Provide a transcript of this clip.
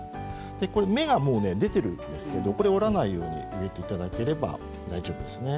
これ芽が出ているのでこれを折らないように入れていただければ大丈夫です。